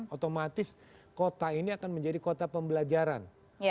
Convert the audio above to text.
otomatis kota ini akan menjadi kota pembelajaran